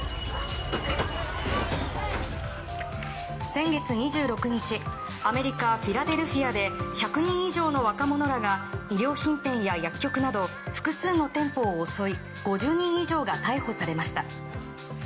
先月２６日アメリカ・フィラデルフィアで１００人以上の若者らが衣料品店や薬局など複数の店舗を襲い５０人以上が逮捕されました。